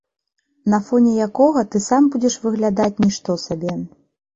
На фоне якога ты сам будзеш выглядаць нішто сабе.